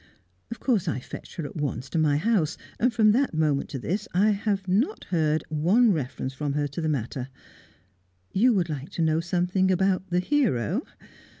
Of course I fetched her at once to my house, and from that moment to this I have heard not one reference from her to the matter. You would like to know something about the hero?